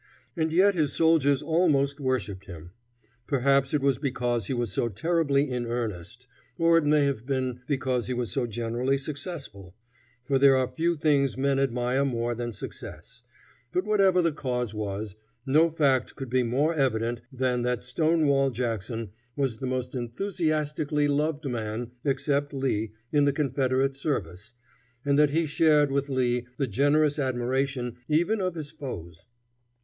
And yet his soldiers almost worshiped him. Perhaps it was because he was so terribly in earnest, or it may have been because he was so generally successful, for there are few things men admire more than success, but whatever the cause was, no fact could be more evident than that Stonewall Jackson was the most enthusiastically loved man, except Lee, in the Confederate service, and that he shared with Lee the generous admiration even of his foes.